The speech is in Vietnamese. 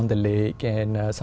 nhưng bây giờ